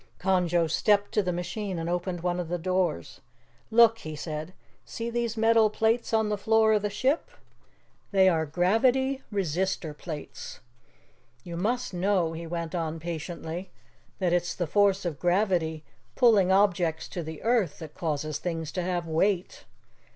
Conjo stepped to the machine and opened one of the doors. "Look," he said. "See these metal plates on the floor of the ship? They are gravity resistor plates. You must know," he went on patiently, "that it's the force of gravity pulling objects to the earth that causes things to have weight.